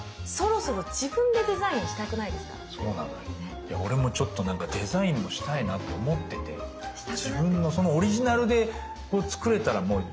いや俺もちょっとなんかデザインもしたいなと思ってて自分のそのオリジナルで作れたらもう余計愛着湧くしね。